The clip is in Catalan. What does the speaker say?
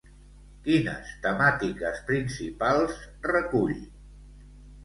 Quines temàtiques principals recull?